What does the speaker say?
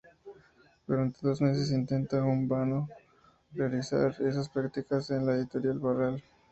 Durante dos meses, intenta en vano realizar esas prácticas en la Editorial Barral.